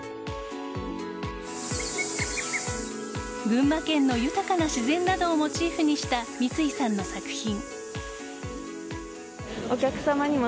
群馬県の豊かな自然などをモチーフにした三ツ井さんの作品。